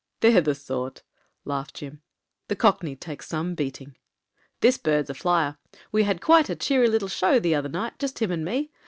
"They're the sort," laughed Jim. *The Cockney takes some beating." "This bird's a flier. We had quite a cheery little show the other night, just him and me.